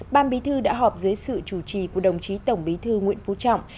ban bí thư đã họp dưới sự chủ trì của đồng chí tổng bí thư nguyễn phú trọng